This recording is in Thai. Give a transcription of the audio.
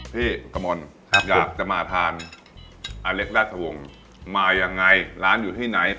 พี่กะม่อนอยากจะมาทานอัลเล็กได้ทุกวงมาอย่างไรร้านอยู่ที่ไหน